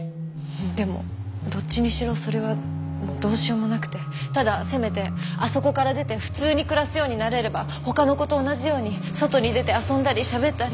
でもどっちにしろそれはどうしようもなくてただせめてあそこから出て「普通」に暮らすようになれれば他の子と同じように外に出て遊んだりしゃべったり。